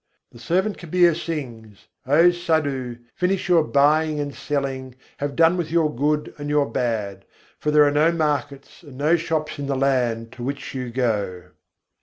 The servant Kabîr sings: "O Sadhu! finish your buying and selling, have done with your good and your bad: for there are no markets and no shops in the land to which you go."